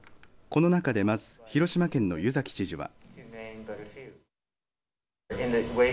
この中でまず広島県の湯崎知事は。